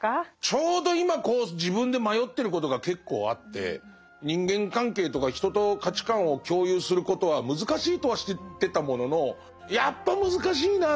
ちょうど今こう自分で迷ってることが結構あって人間関係とか人と価値観を共有することは難しいとは知ってたもののやっぱ難しいな。